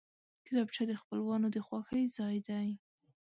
کتابچه د خپلوانو د خوښۍ ځای دی